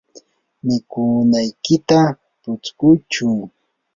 mikunaykita putskuychu.